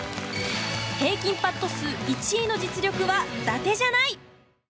平均パット数１位の実力は伊達じゃない。